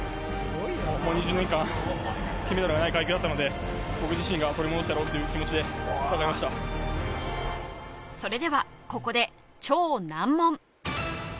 もう２０年間金メダルがない階級だったので僕自身が取り戻してやろうという気持ちで戦いましたそれではここで超難問